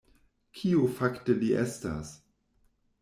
Kio fakte li estas?